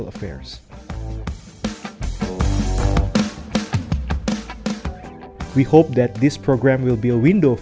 kami berharap program ini akan menjadi jemput untuk anda